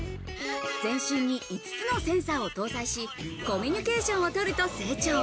全身に５つのセンサーを搭載し、コミニュケーションを取ると成長。